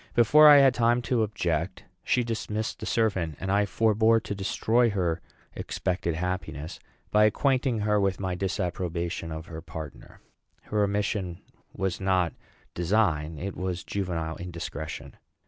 Before I had time to object, she dismissed the servant; and I forbore to destroy her expected happiness by acquainting her with my disapprobation of her partner. Her omission was not design; it was juvenile indiscretion.